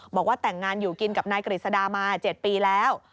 บอกว่าแต่งงานอยู่กินกับนายกฤษดามา๗ปีแล้ว